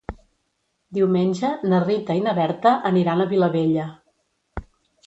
Diumenge na Rita i na Berta aniran a Vilabella.